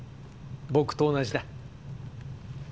僕と同じだ。